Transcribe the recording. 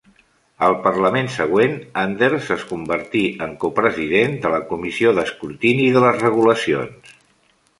Al parlament següent, Anders es convertí en copresident de la Comissió d'escrutini de les regulacions.